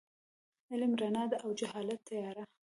علم رڼا ده او جهالت تیاره.